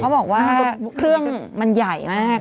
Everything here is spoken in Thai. บอกว่าเครื่องมันใหญ่มาก